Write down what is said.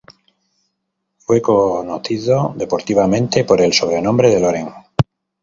Fue conocido deportivamente por el sobrenombre de Loren.